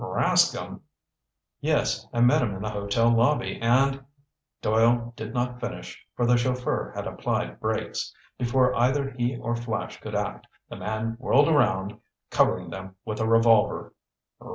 "Rascomb!" "Yes, I met him in the hotel lobby and—" Doyle did not finish for the chauffeur had applied brakes. Before either he or Flash could act, the man whirled around, covering them with a revolver.